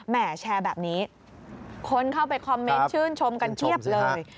แห่แชร์แบบนี้คนเข้าไปคอมเมนต์ชื่นชมกันเพียบเลย